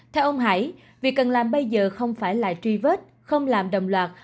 theo ông hải việc cần làm bây giờ không phải là truy vết không làm đồng loạt